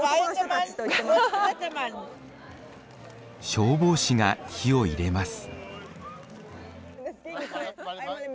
消防士が火を入れます。